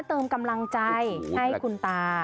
เติมกำลังใจให้คุณตา